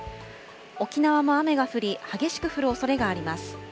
沖縄も雨が降り、激しく降るおそれがあります。